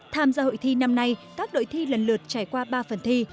tham gia hội thi năm nay các đội thi lần lượt trải qua ba phần thi